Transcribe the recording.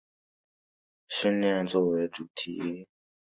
此剧以中华民国陆军新兵入伍训练作为主题。